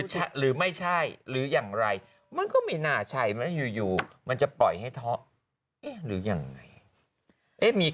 ใช่หรือไม่ใช่หรืออย่างไรมันก็ไม่น่าใช่มันอยู่มันจะปล่อยให้เทาะหรือยังไงมี